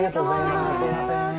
すみません。